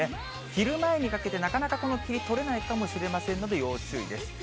昼前にかけて、なかなかこの霧、取れないかもしれませんので、要注意です。